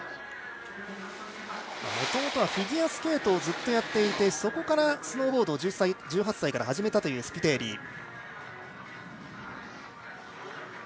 弟はフィギュアスケートをずっとやっていてそこからスノーボードを１０歳から始めたというスピテーリ。